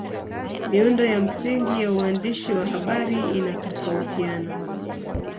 Miundo ya msingi ya uandishi wa habari inatofautiana